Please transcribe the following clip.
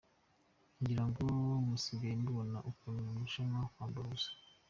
Ngirango musigaye mubona ukuntu barushanwa "kwambara ubusa".